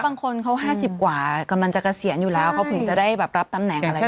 บางคนเขา๕๐กว่ากำลังจะเกษียณอยู่แล้วเขาถึงจะได้แบบรับตำแหน่งอะไร